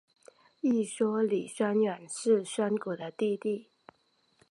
一说李宣远是宣古的弟弟。